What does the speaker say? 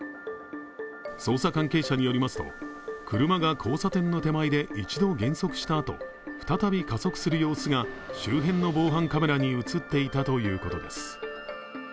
捜査関係者によりますと、車が交差点の手前で一度減速したあと、再び加速する様子が周辺の防犯カメラに映っていたということです。